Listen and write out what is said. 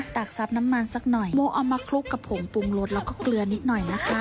กซับน้ำมันสักหน่อยโมเอามาคลุกกับผงปรุงรสแล้วก็เกลือนิดหน่อยนะคะ